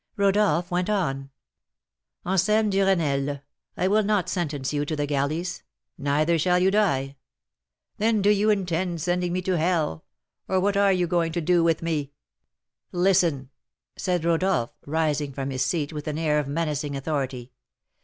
Rodolph went on: "Anselm Duresnel, I will not sentence you to the galleys, neither shall you die " "Then do you intend sending me to hell? or what are you going to do with me?" "Listen!" said Rodolph, rising from his seat with an air of menacing authority.